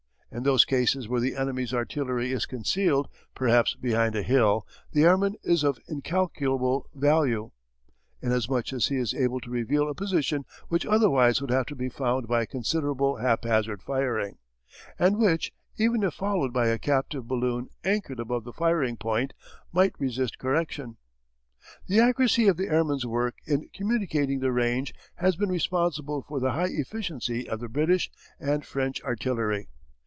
In those cases where the enemy's artillery is concealed perhaps behind a hill, the airman is of incalculable value, inasmuch as he is able to reveal a position which otherwise would have to be found by considerable haphazard firing, and which, even if followed by a captive balloon anchored above the firing point, might resist correction. The accuracy of the airman's work in communicating the range has been responsible for the high efficiency of the British and French artillery.